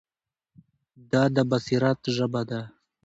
دا د بصیرت ژبه ده.